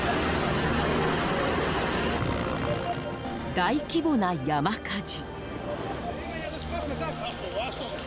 大規模な山火事。